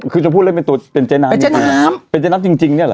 คือจะพูดเล่นเป็นตัวเป็นเจ๊น้ำมันเป็นเจ๊น้ำเป็นเจ๊น้ำจริงจริงเนี้ยเหรอ